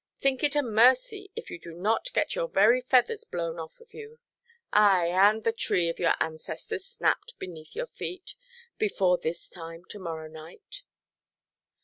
Think it a mercy if you do not get your very feathers blown off of you—ay, and the tree of your ancestors snapped beneath your feet—before this time to morrow night.